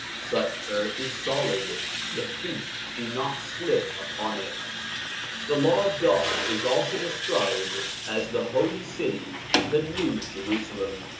Such earth is solid, the feet do not slip upon it. The Law of God is also described as the Holy City, the New Jerusalem.